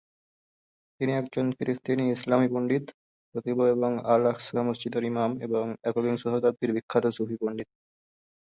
তিনি একজন ফিলিস্তিনি ইসলামি পণ্ডিত, খতিব এবং আল-আকসা মসজিদের ইমাম, এবং একবিংশ শতাব্দীর বিখ্যাত সুফি পণ্ডিত।